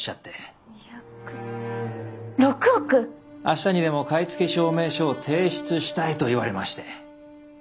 明日にでも買付証明書を提出したいと言われまして。